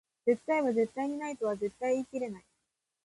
絶対は絶対にないとは絶対言い切れない